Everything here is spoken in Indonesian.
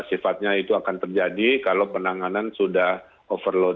sifatnya itu akan terjadi kalau penanganan sudah overload